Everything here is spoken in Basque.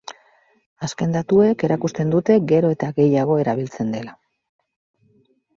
Azken datuek erakusten dute gero eta gehiago erabiltzen dela.